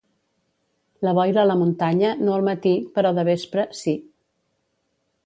La boira a la muntanya, no al matí, però de vespre, sí.